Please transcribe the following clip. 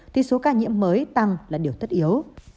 thì số ca nhiễm mới tăng là điều tất yếu